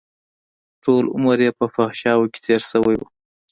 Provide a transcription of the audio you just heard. ټول عمر يې په فحشاوو کښې تېر شوى و.